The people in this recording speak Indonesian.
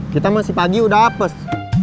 kita masih pagi udah apes